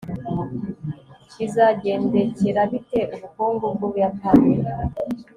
bizagendekera bite ubukungu bw'ubuyapani